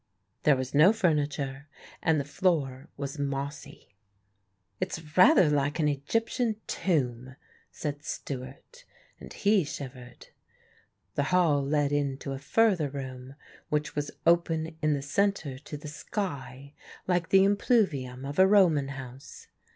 There was no furniture and the floor was mossy. "It's rather like an Egyptian tomb," said Stewart, and he shivered. The hall led into a further room, which was open in the centre to the sky, like the impluvium of a Roman house.